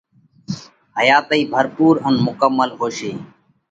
حياتئِي ڀرپُور ان مڪمل هوشي۔